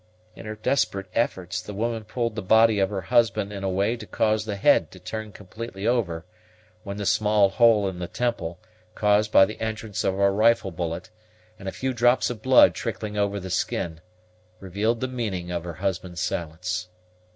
In her desperate efforts, the woman pulled the body of her husband in a way to cause the head to turn completely over, when the small hole in the temple, caused by the entrance of a rifle bullet, and a few drops of blood trickling over the skin, revealed the meaning of her husband's silence.